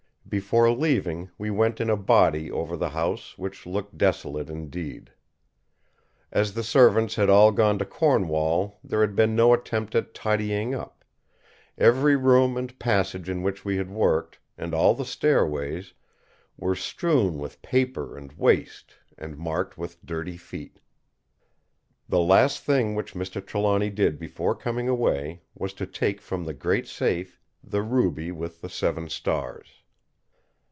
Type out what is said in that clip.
Before leaving we went in a body over the house, which looked desolate indeed. As the servants had all gone to Cornwall there had been no attempt at tidying up; every room and passage in which we had worked, and all the stairways, were strewn with paper and waste, and marked with dirty feet. The last thing which Mr. Trelawny did before coming away was to take from the great safe the Ruby with the Seven Stars.